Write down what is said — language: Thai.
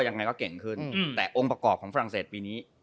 ยังไงก็เก่งขึ้นแต่องค์ประกอบของฝรั่งเศสปีนี้